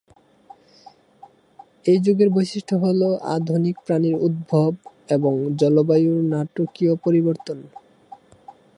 এই যুগের বৈশিষ্ট্য হল আধুনিক প্রাণীর উদ্ভব এবং জলবায়ুর নাটকীয় পরিবর্তন।